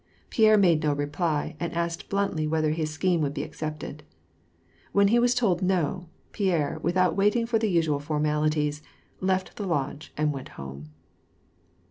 Pierre made no reply, and asked bluntly whether his scheme would be accepted. When he was told no, Pierre, without waiting for the usual formalities, left the Lodge and went home.